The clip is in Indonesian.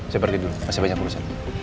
saya pergi dulu masih banyak urusan